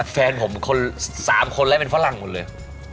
แฟนผมคน๓คนแล้วเป็นฝรั่งหมดเลย